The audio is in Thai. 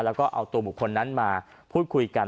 แล้วก็เอาตัวบุคคลนั้นมาพูดคุยกัน